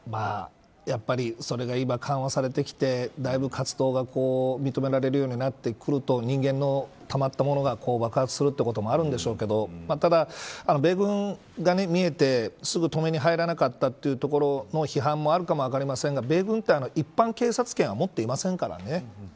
やっぱりそれが今、緩和されてきてだいぶ活動が認められるようになってくると人間のたまったものが爆発するということもあるんでしょうけどただ、米軍がみえてすぐ止めに入れなかったというところの批判もあるかも分かりませんが米軍は、一般警察権は持っていませんからね。